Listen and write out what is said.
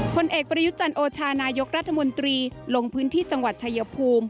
ผลเอกประยุจันโอชานายกรัฐมนตรีลงพื้นที่จังหวัดชายภูมิ